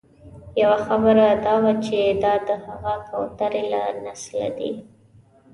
یوه خبره دا وه چې دا د هغه کوترې له نسله دي.